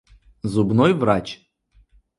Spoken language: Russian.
Зубной врач.